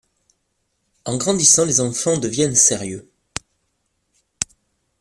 En grandissant, les enfants deviennent sérieux.